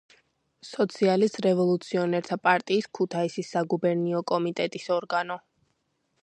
სოციალისტ-რევოლუციონერთა პარტიის ქუთაისის საგუბერნიო კომიტეტის ორგანო.